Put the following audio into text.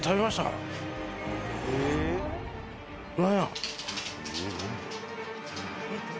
何や。